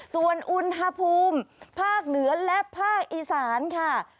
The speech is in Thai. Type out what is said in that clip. ส่วนอุณหภูมิภาคเหนือและภาคอีสานค่ะ